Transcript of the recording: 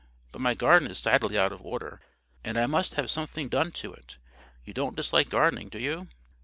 "But my garden is sadly out of order, and I must have something done to it. You don't dislike gardening, do you?"